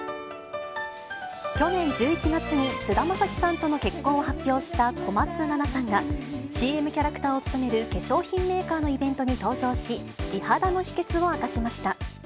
去年１１月に菅田将暉さんとの結婚を発表した小松菜奈さんが、ＣＭキャラクターを務める化粧品メーカーのイベントに登場し、美肌の秘けつを明かしました。